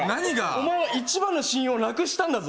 お前は一番の親友をなくしたんだぞ。